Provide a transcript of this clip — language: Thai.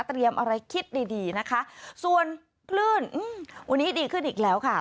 เตรียมอะไรคิดดีนะคะส่วนคลื่นอืมวันนี้ดีขึ้นอีกแล้วค่ะ